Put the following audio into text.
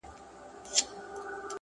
جهنم ته چي د شیخ جنازه یوسي -